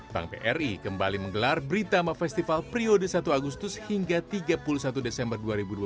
bank bri kembali menggelar britama festival periode satu agustus hingga tiga puluh satu desember dua ribu dua puluh